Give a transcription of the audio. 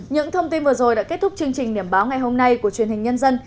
những thông tin vừa rồi đã kết thúc chương trình điểm báo ngày hôm nay của truyền hình nhân dân